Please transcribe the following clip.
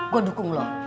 gue dukung lo